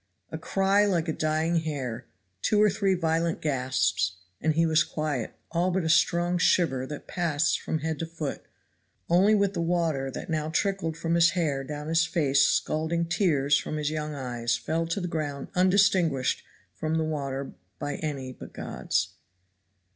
A cry like a dying hare two or three violent gasps and he was quiet, all but a strong shiver that passed from head to foot; only with the water that now trickled from his hair down his face scalding tears from his young eyes fell to the ground undistinguished from the water by any eye but God's.